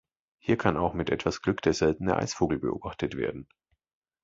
Hier kann auch mit etwas Glück der seltene Eisvogel beobachtet werden.